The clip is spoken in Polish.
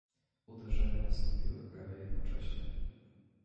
"Uderzenia nastąpiły prawie jednocześnie."